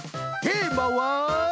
テーマは。